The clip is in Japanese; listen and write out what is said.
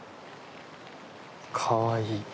かわいい。